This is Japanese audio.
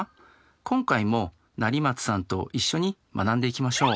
今回も成松さんと一緒に学んでいきましょう。